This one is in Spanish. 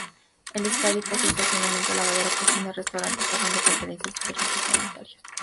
El estadio posee estacionamiento, lavadero, cocina, restaurante, salón de conferencias y servicios sanitarios.